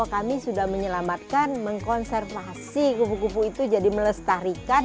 kami sudah menyelamatkan mengkonservasi kupu kupu itu jadi melestarikan